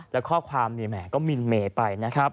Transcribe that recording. และข้อความนี่แม่ก็มินเมย์ไปนะครับ